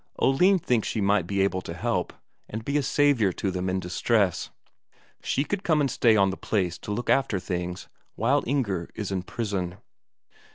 Oline thinks she might be able to help, and be a saviour to them in distress. She could come and stay on the place to look after things, while Inger is in prison.